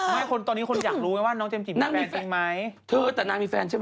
เชิญสิ่งที่แองจี้มันทำหนันแล้วเหรอ